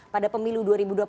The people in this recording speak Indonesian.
pada pemilu dua ribu dua puluh